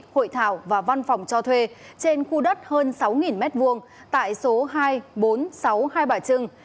hội thảo và văn phòng cho thuê trên khu đất hơn sáu m hai tại số hai bốn sáu hai bãi trưng